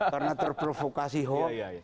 karena terprovokasi hoax